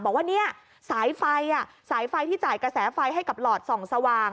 บอกว่าเนี่ยสายไฟสายไฟที่จ่ายกระแสไฟให้กับหลอดส่องสว่าง